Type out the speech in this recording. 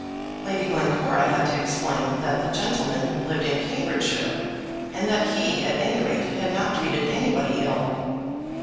Lady Glencora had to explain that the gentleman lived in Cambridgeshire, and that he, at any rate, had not treated anybody ill.